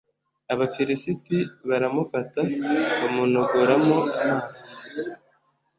abafilisiti baramufata bamunogoramo amaso